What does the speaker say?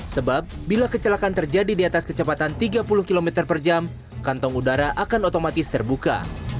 sebab bila kecelakaan terjadi di atas kecepatan tiga puluh km per jam kantong udara akan otomatis terbuka